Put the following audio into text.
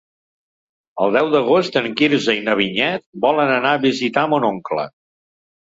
El deu d'agost en Quirze i na Vinyet volen anar a visitar mon oncle.